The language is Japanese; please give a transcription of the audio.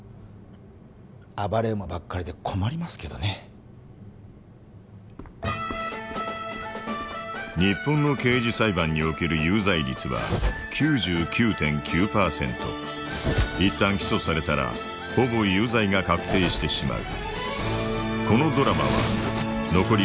暴れ馬ばっかりで困りますけどね日本の刑事裁判における有罪率は９９．９パーセントいったん起訴されたらほぼ有罪が確定してしまう